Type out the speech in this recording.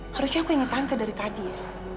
harusnya aku ingat tante dari tadi ya